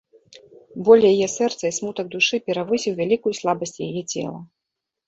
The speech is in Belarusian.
Боль яе сэрца і смутак душы перавысіў вялікую слабасць яе цела.